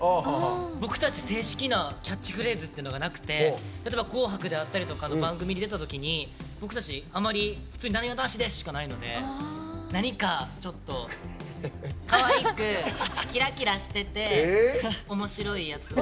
僕たち、正式なキャッチフレーズっていうのがなくて例えば「紅白」であったりとか番組に出たときに僕たち、普通に「なにわ男子です」しかないので何かちょっとかわいく、キラキラしてておもしろいやつを。